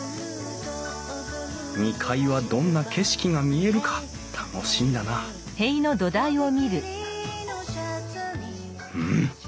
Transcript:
２階はどんな景色が見えるか楽しみだなうん？